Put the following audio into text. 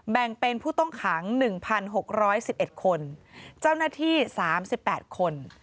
แบ่งเป็นผู้ต้องขัง๑๖๑๑คนเจ้าหน้าที่๓๘คน